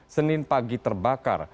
senin pagi terbakar